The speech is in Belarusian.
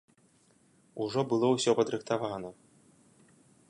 Ужо было ўсё падрыхтавана.